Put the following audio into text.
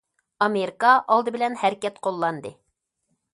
ئامېرىكا ئالدى بىلەن ھەرىكەت قوللاندى.